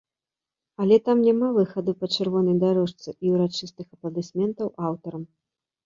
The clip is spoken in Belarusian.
Але там няма выхаду па чырвонай дарожцы і ўрачыстых апладысментаў аўтарам.